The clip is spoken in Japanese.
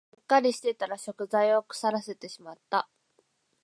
うっかりしてたら食材を腐らせてしまった